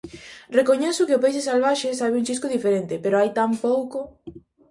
Recoñezo que o peixe salvaxe sabe un chisco diferente, pero hai tan pouco!